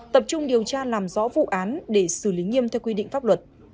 tập trung điều tra làm rõ vụ án để xử lý nghiêm theo quy định pháp luật